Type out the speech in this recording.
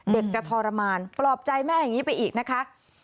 เด็กจะทรมานปลอบใจแม่อย่างนี้ไปอีกนะคะ